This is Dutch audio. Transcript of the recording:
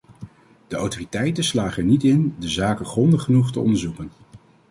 De autoriteiten slagen er niet in de zaken grondig genoeg te onderzoeken.